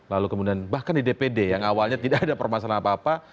lalu kemudian bahkan di dpd yang awalnya tidak ada permasalahan apa apa